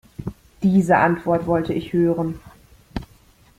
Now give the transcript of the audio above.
Diese Antwort wollte ich hören.